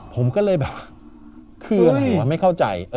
ผมก็เลยแบบคืออะไรวะไม่เข้าใจ